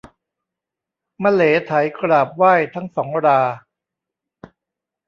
มะเหลไถกราบไหว้ทั้งสองรา